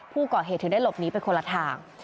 ผู้ก่อเหตุถึงได้หลบหนีไปคนละทาง